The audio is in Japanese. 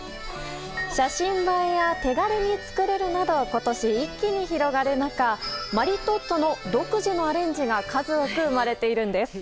写真映えや手軽に作れるなど今年、一気に広がる中マリトッツォの独自のアレンジが数多く生まれているんです。